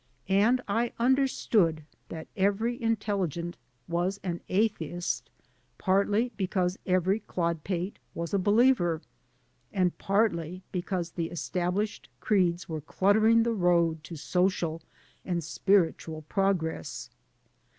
And I understood that every intelligent was an atheist partly because every dod pate was a believer and partly because the established creeds were cluttering the road to social and spiritual progress.